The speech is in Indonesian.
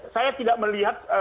saya tidak melihat